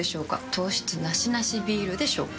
糖質ナシナシビールでしょうか？